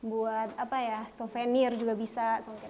buat apa ya souvenir juga bisa